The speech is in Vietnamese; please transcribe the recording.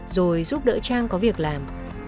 rồi giúp đỡ trang có việc làm